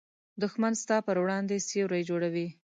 دښمن ستا پر وړاندې سیوری جوړوي